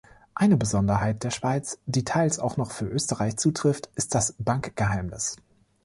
Eine Besonderheit der Schweiz, die teils auch noch für Österreich zutrifft, ist das Bankgeheimnis.